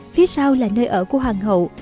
phía sau là nơi ở của hoàng hậu